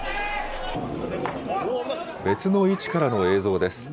別の位置からの映像です。